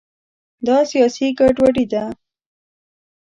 دا سیاسي ګډوډي ده.